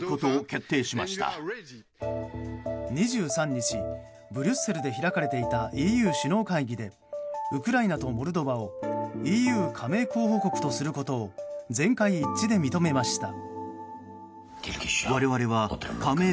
２３日ブリュッセルで開かれていたＥＵ首脳会議でウクライナとモルドバをＥＵ加盟候補国とすることを全会一致で認めました。